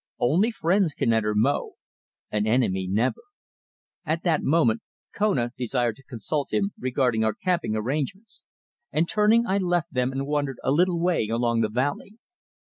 Only friends can enter Mo; an enemy never." At that moment Kona desired to consult him regarding our camping arrangements, and turning I left them and wandered a little way along the valley.